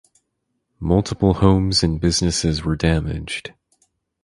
Multiple homes and businesses were damaged.